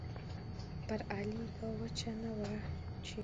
پر علي دا وچه نه وه چې